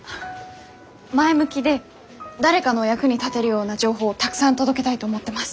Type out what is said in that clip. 前向きで誰かの役に立てるような情報をたくさん届けたいと思ってます。